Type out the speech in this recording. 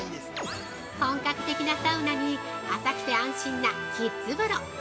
本格的なサウナに浅くて安心なキッズ風呂！